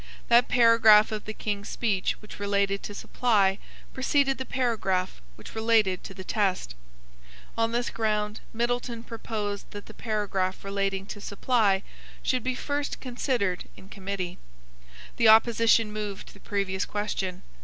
That paragraph of the King's speech which related to supply preceded the paragraph which related to the test. On this ground Middleton proposed that the paragraph relating to supply should be first considered in committee. The opposition moved the previous question.